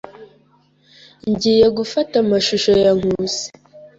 Ngiye gufata amashusho ya Nkusi.